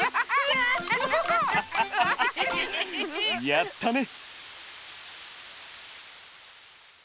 やったね！